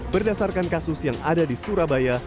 berdasarkan kasus yang ada di surabaya